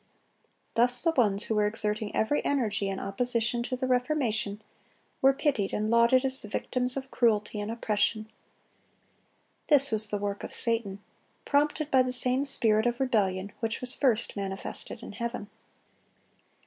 Thus the ones who were exerting every energy in opposition to the Reformation, were pitied and lauded as the victims of cruelty and oppression. This was the work of Satan, prompted by the same spirit of rebellion which was first manifested in heaven.